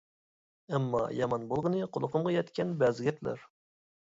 ئەمما يامان بولغىنى قۇلىقىمغا يەتكەن بەزى گەپلەر.